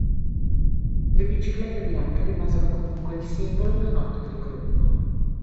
Le biciclette bianche rimasero comunque il simbolo più noto del gruppo.